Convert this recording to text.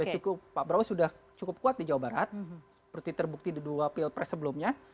cukup pak prabowo sudah cukup kuat di jawa barat seperti terbukti di dua pilpres sebelumnya